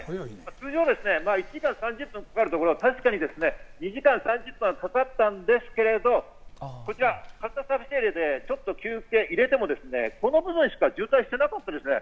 通常１時間３０分かかるところ、確かに２時間３０分はかかったんですけど、こちら蓮田サービスエリアでちょっと休憩を入れても、この部分しか渋滞してなかったですね。